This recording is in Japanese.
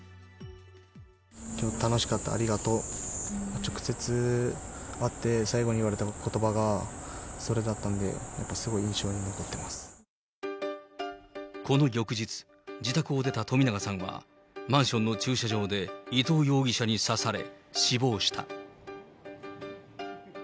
きょうは楽しかった、ありがとう、直接会って、最後に言われたことばがそれだったので、この翌日、自宅を出た冨永さんは、マンションの駐車場で伊藤容疑者に刺され、死亡した。